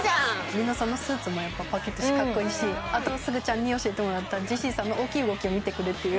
皆さんのスーツもパキッとしてかっこいいしあとすがちゃんに教えてもらったジェシーさんの大きい動きを見てくれっていう。